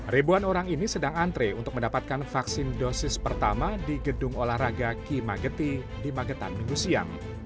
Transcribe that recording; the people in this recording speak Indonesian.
ribuan orang ini sedang antre untuk mendapatkan vaksin dosis pertama di gedung olahraga kimageti di magetan minggu siang